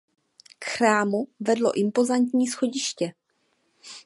K chrámu vedlo impozantní schodiště.